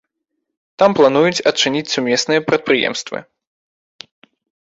Там плануюць адчыніць сумесныя прадпрыемствы.